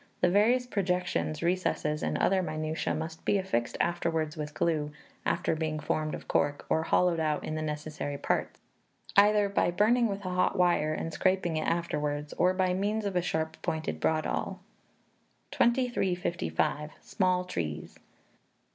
The various projections, recesses, and other minutiae, must be affixed afterwards with glue, after being formed of cork, or hollowed out in the necessary parts, either by burning with a hot wire and scraping it afterwards, or by means of a sharp pointed bradawl. 2355. Small Trees.